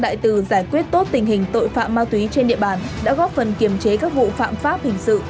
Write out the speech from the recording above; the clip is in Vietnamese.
đại từ giải quyết tốt tình hình tội phạm ma túy trên địa bàn đã góp phần kiềm chế các vụ phạm pháp hình sự